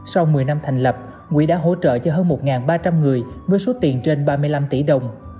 sau một mươi năm thành lập quỹ đã hỗ trợ cho hơn một ba trăm linh người với số tiền trên ba mươi năm tỷ đồng